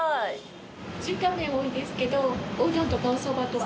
中華麺多いですけどおうどんとかおそばとか。